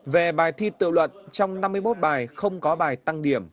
về bài thi tự luận trong năm mươi một bài không có bài tăng điểm